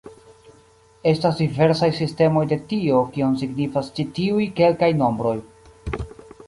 Estas diversaj sistemoj de tio, kion signifas ĉi tiuj kelkaj nombroj.